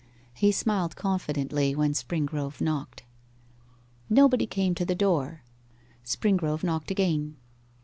He smiled confidently when Springrove knocked. Nobody came to the door. Springrove knocked again.